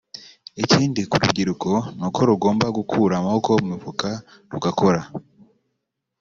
Ikindi ku rubyiruko ni uko rugomba gukura amaboko mu mifuka rugakora